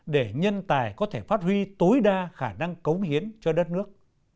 để nhân tài có thể phát huy tối đa khả năng cống hiến cho đất nước